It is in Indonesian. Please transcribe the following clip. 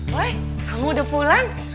boy kamu udah pulang